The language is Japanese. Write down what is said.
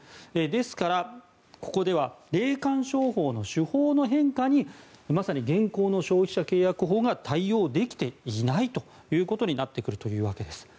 ですから、ここでは霊感商法の手法の変化にまさに現行の消費者契約法が対応できていないということになってくるというわけです。